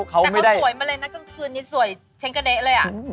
เขาไม่ได้แต่เขาสวยมาเลยนะกลางคืนนี้สวยเช้นกะเด๊ะเลยอ่ะ